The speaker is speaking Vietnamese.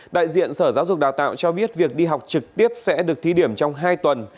đại diện sở giáo dục đào tạo cho biết việc đi học trực tiếp sẽ được thí điểm trong hai tuần